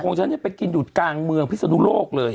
ฉันไปกินอยู่กลางเมืองพิศนุโลกเลย